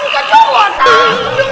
kan kan cowok tanggep dong kodok